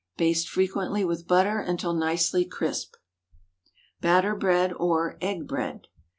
Baste frequently with butter until nicely crisped. BATTER BREAD, OR "EGG BREAD."